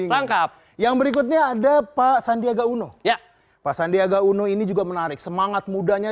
tangkap yang berikutnya ada pak sandiaga uno ya pak sandiaga uno ini juga menarik semangat mudanya